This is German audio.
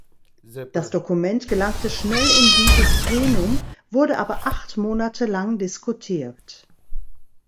Das Dokument gelangte schnell in dieses Plenum, wurde aber acht Monate lang diskutiert.